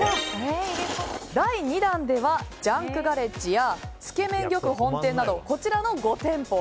第２弾では、ジャンクガレッジやつけめん玉本店などこちらの５店舗。